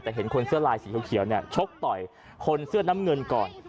แต่เห็นคนเสื้อลายสีเขียวเนี่ยชกต่อยคนเสื้อน้ำเงินก่อน